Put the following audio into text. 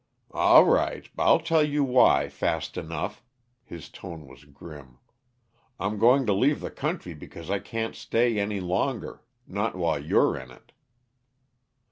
"All right I'll tell you why, fast enough." His tone was grim. "I'm going to leave the country because I can't stay any longer not while you're in it."